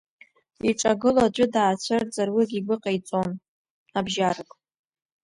Иҿагыло аӡәы даацәырҵыр, уигьы игәы ҟаиҵоит, абжьарак…